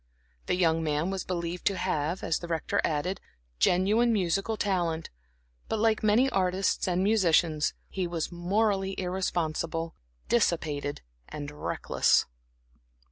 The young man was believed to have, as the Rector added, genuine musical talent; but like many artists and musicians, he was morally irresponsible, dissipated and reckless.